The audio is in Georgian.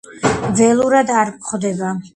ველურად არ გვხვდება.